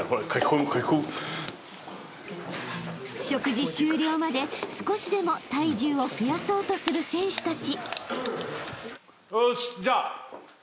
［食事終了まで少しでも体重を増やそうとする選手たち］